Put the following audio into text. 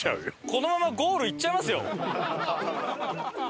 このままゴール行っちゃいますよ。